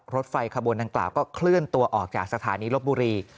รถไฟขบวนดังกล่าวก็เคลื่อนตัวออกจากสถานีลบบุรี